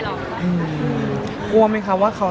คนล่างอวตาเลยเกษตรเข้าใจยาก